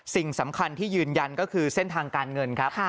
สิ่งสำคัญที่ยืนยันก็คือเส้นทางการเงินครับ